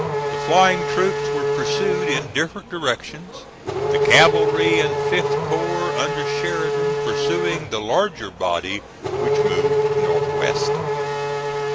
The flying troops were pursued in different directions, the cavalry and 5th corps under Sheridan pursuing the larger body which moved north west.